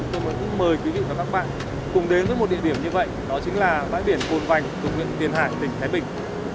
và các bạn cùng đến với một địa điểm như vậy đó chính là bãi biển cồn vành huyện tiền hải tỉnh thái bình